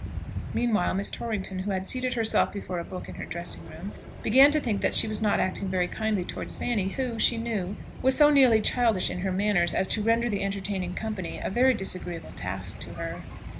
Meanwhile Miss Torrington, who had seated herself before a book in her dressing room, began to think that she was not acting very kindly towards Fanny, who, she knew, was so nearly childish in her manners as to render the entertaining company a very disagreeable task to her.